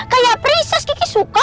kayak prises kiki suka